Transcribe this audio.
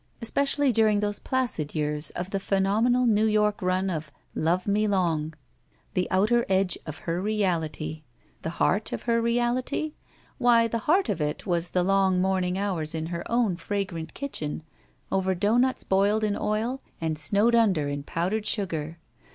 Especially during those placid years of the phenomenal New York run of Love Me Long." The outer edge of 147 THE SMUDGE her reality. The heart of her reality? Why, the heart of it was the long morning hours in her own fragrant kitchen over doughnuts boiled in oil and snowed under in powdered sugar!